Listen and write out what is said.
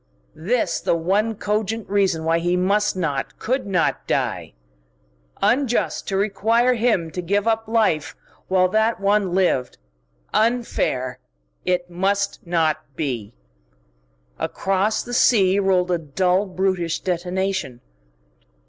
This the one cogent reason why he must not, could not, die.... Unjust to require him to give up life while that one lived. Unfair.... It must not be!... Across the sea rolled a dull, brutish detonation.